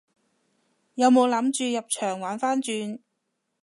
有冇諗住入場玩番轉？